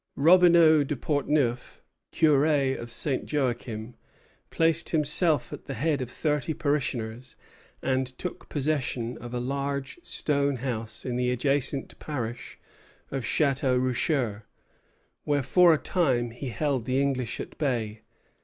Robineau de Portneuf, curé of St. Joachim, placed himself at the head of thirty parishioners and took possession of a large stone house in the adjacent parish of Château Richer, where for a time he held the English at bay.